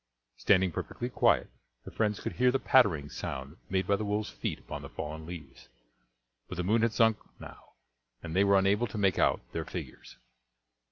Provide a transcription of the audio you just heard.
Standing perfectly quiet, the friends could hear the pattering sound made by the wolves' feet upon the fallen leaves; but the moon had sunk now, and they were unable to make out their figures.